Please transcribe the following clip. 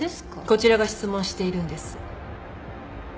こちらが質問しているんです。